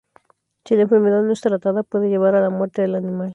Si la enfermedad no es tratada, puede llevar a la muerte del animal.